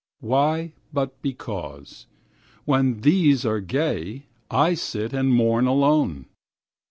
Why but because, when these are gay, I sit and mourn alone?